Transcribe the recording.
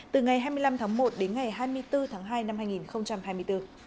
từ năm tháng một đến ngày hai mươi bốn tháng hai năm hai nghìn hai mươi bốn